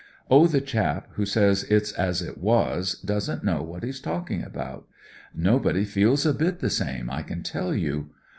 Oh, the chap who says it's as it was doesn't know what he's talking about. Nobody feels a bit the same, I can tell you.